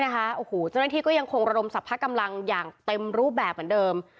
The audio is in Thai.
เจ้าหน้าที่ก็ยังคงระดมสรรพกำลังอย่างเต็มรูปแบบเหมือนเดิม